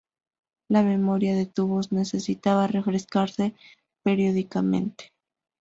La memoria de tubos necesitaba "refrescarse" periódicamente.